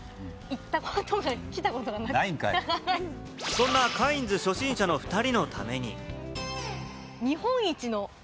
そんなカインズ初心者の２人のために。